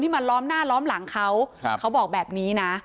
มาล้อมหน้าล้อมหลังเขาเขาบอกแบบนี้นะ